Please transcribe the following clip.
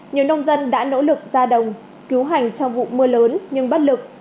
nhiều nông dân đã nỗ lực ra đồng cứu hành trong vụ mưa lớn nhưng bất lực